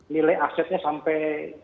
nilai asetnya sampai